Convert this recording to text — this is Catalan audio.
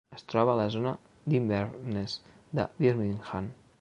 Es troba a la zona d'Inverness de Birmingham.